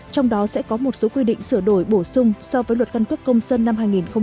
trong đó sẽ có một số quy định sửa đổi bổ sung so với luật căn cước công dân năm hai nghìn một mươi ba